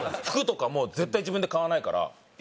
服とかも絶対自分で買わないから。